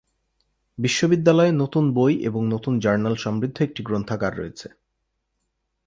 বিশ্ববিদ্যালয়ে নতুন বই এবং নতুন জার্নাল সমৃদ্ধ একটি গ্রন্থাগার রয়েছে।